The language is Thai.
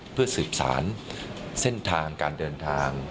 เพื่อสืบสารเส้นทางการเดินทาง